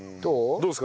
どうですか？